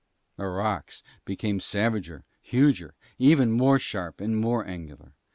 The rocks became savager, huger, even more sharp and more angular.